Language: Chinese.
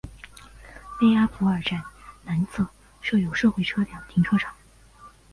勒阿弗尔站南侧设有社会车辆停车场。